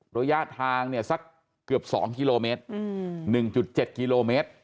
ระยะทางเนี่ยสักเกือบสองกิโลเมตรหนึ่งจุดเจ็ดกิโลเมตร